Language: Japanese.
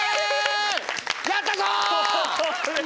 やったぞ！